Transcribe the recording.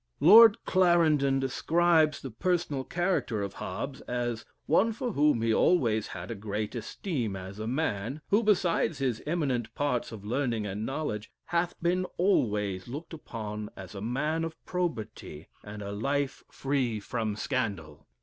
Lord Clarendon describes the personal character of Hobbes as "one for whom he always had a great esteem as a man, who besides his eminent parts of learning and knowledge, hath been always looked upon as a man of probity, and a life free from scandal."